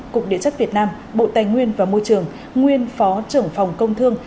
cục địa chất việt nam bộ tài nguyên và môi trường nguyên phó trưởng phòng công thương